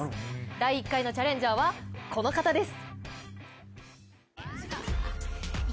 第１回のチャレンジャーはこの方です。